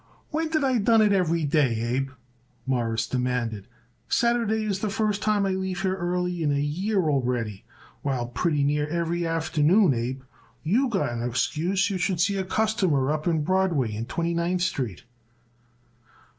"When did I done it every day, Abe?" Morris demanded. "Saturday is the first time I leave here early in a year already, while pretty near every afternoon, Abe, you got an excuse you should see a customer up in Broadway and Twenty ninth Street."